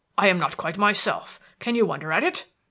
"I am not quite myself. Can you wonder at it?"